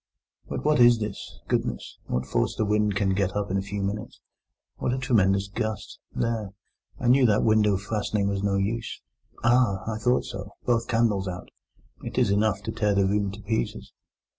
'But what is this? Goodness! what force the wind can get up in a few minutes! What a tremendous gust! There! I knew that window fastening was no use! Ah! I thought so—both candles out. It is enough to tear the room to pieces.